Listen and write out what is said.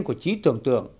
của trí tưởng tượng